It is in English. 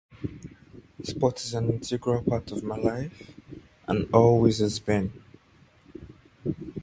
Sport is an integral part of my life and always has been.